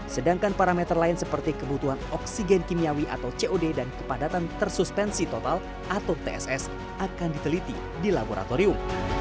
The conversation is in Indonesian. sedangkan parameter lain seperti kebutuhan oksigen kimiawi atau cod dan kepadatan tersustensi total atau tss akan diteliti di laboratorium